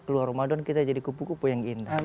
keluar ramadan kita jadi kupu kupu yang indah